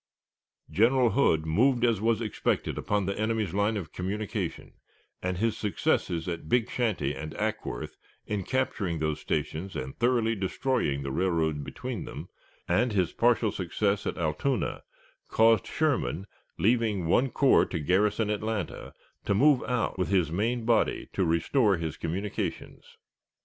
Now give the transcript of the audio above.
General Hood moved as was expected upon the enemy's line of communication, and his successes at Big Shanty and Acworth, in capturing those stations and thoroughly destroying the railroad between them, and his partial success at Allatoona, caused Sherman, leaving one corps to garrison Atlanta, to move out with his main body to restore his communications.